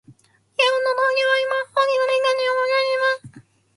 日本の農業は今、大きな転換点を迎えています。